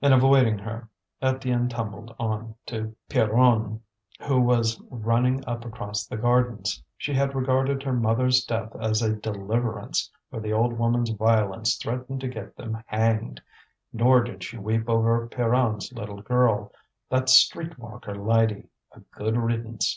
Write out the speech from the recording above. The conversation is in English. In avoiding her, Étienne tumbled on to Pierronne, who was running up across the gardens. She had regarded her mother's death as a deliverance, for the old woman's violence threatened to get them hanged; nor did she weep over Pierron's little girl, that street walker Lydie a good riddance.